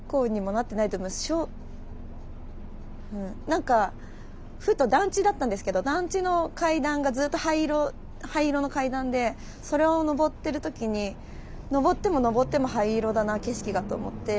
何かふと団地だったんですけど団地の階段がずっと灰色の階段でそれを上ってる時に上っても上っても灰色だな景色がと思って。